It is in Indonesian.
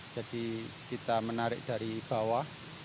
jadi kita menarik dari bawah